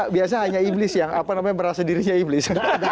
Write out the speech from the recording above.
biasanya hanya iblis yang merasa dirinya iblis